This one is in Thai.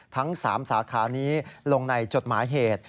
ทั้ง๓สาขานี้ลงในจดหมายเหตุ